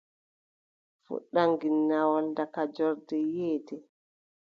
Fuɗɗam ginnawol, daga joorde yiʼété.